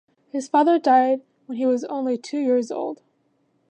His father died when he was only two years old.